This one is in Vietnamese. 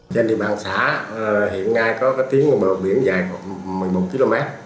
trên địa bàn xã hiện ngay có tiếng biển dài một mươi một km